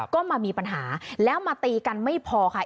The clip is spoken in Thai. ก็มามีปัญหาแล้วมาตีกันไม่พอค่ะ